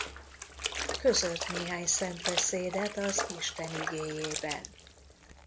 Közölt néhány szent beszédet az Isten Igéjében.